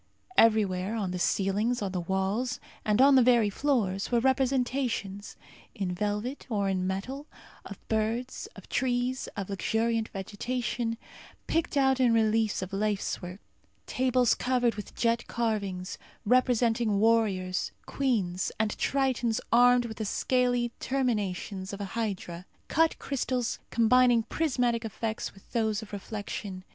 Everywhere on the ceilings, on the walls, and on the very floors were representations, in velvet or in metal, of birds, of trees; of luxuriant vegetation, picked out in reliefs of lacework; tables covered with jet carvings, representing warriors, queens, and tritons armed with the scaly terminations of a hydra. Cut crystals combining prismatic effects with those of reflection.